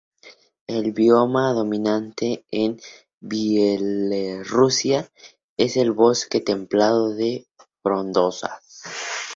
El bioma dominante en Bielorrusia es el bosque templado de frondosas.